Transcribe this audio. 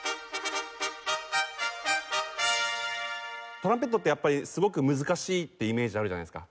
トランペットってやっぱりすごく難しいってイメージあるじゃないですか。